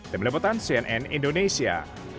demi lepotan cnn indonesia